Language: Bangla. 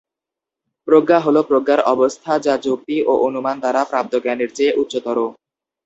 প্রজ্ঞা হল প্রজ্ঞার অবস্থা যা যুক্তি ও অনুমান দ্বারা প্রাপ্ত জ্ঞানের চেয়ে উচ্চতর।